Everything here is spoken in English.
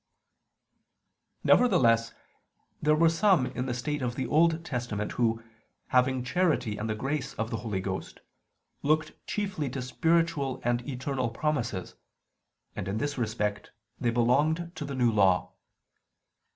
Nevertheless there were some in the state of the Old Testament who, having charity and the grace of the Holy Ghost, looked chiefly to spiritual and eternal promises: and in this respect they belonged to the New Law.